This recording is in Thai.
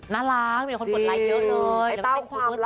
น่ารักมีคนกดไลค์เยอะเลย